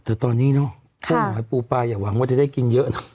แต่ตอนนี้เนอะเจ้าหอยปูปลาอย่าหวังว่าจะได้กินเยอะเนอะ